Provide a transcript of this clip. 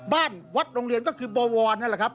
บ้านวัดโรงเรียนก็คือบวรนั่นแหละครับ